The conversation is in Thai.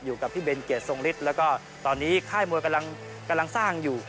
อยู่กับพี่เบนเกียรติทรงฤทธิ์แล้วก็ตอนนี้ค่ายมวยกำลังสร้างอยู่